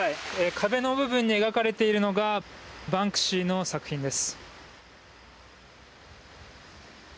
壁の部分に描かれているのが、バンクシーの作品です。